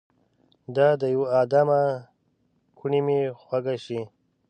د دا يوه ادامه کوڼۍ مې خوږ شي